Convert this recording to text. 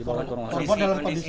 korban dalam kondisi hamil